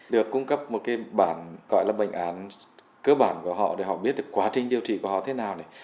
được cung cấp một cái bản gọi là bệnh án cơ bản của họ để họ biết được quá trình điều trị của họ thế nào này